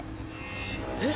えっ！？